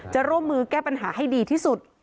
จะร่วมมือแก้ปัญหาให้ดีที่สุด